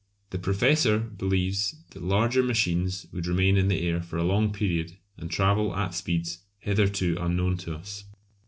The Professor believes that larger machines would remain in the air for a long period and travel at speeds hitherto unknown to us.